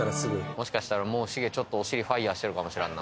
もしかしたらもうシゲちょっとお尻ファイヤーしてるかもしらんな